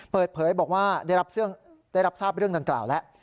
เปิดเผยบอกว่าได้รับทราบเรื่องดังกล่าวแล้ว